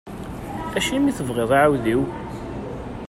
Acimi i tebɣiḍ aɛewdiw?